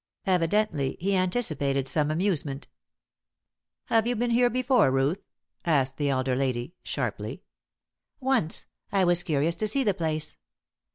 Evidently he anticipated some amusement. "Have you been here before, Ruth?" asked the elder lady, sharply. "Once; I was curious to see the place."